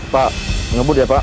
pak ngebut ya pak